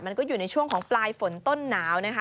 มันก็อยู่ในช่วงของปลายฝนต้นหนาวนะคะ